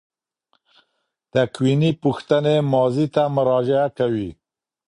تکویني پوښتنې ماضي ته مراجعه کوي.